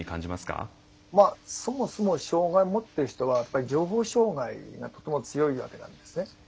そもそも障害を持っている人は情報障害がとても強いわけなんですね。